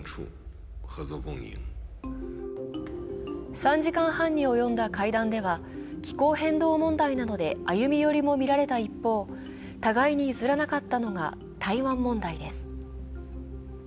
３時間半に及んだ会談では、気候変動問題などで歩み寄りもみられた一方、互いに譲らなかったのが台湾問題です。